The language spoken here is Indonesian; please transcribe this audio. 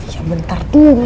ya bentar dulu